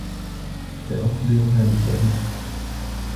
سأخبرها بشأنك.